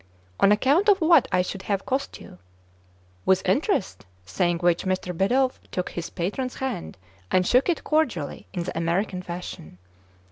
" On account of what I should have cost you t " "With interest," saying which, Mr. Bidulph took his patron's hand, and shook it cordially in the American fashion.